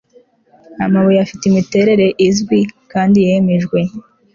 amabuye afite imiterere izwi kandi yemejwe